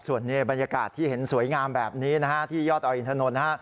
ส่วนนี้บรรยากาศที่เห็นสวยงามแบบนี้นะฮะที่ยอดดอยอินถนนนะฮะ